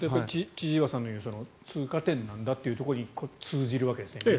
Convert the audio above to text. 千々岩さんの言うように通過点なんだというところに通じるわけですね。